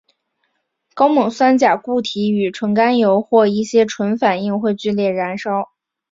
高锰酸钾固体与纯甘油或一些醇反应会剧烈燃烧。